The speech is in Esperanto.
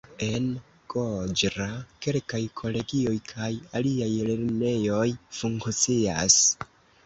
En Goĝra kelkaj kolegioj kaj aliaj lernejoj funkcias.